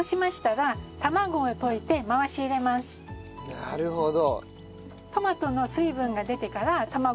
なるほど。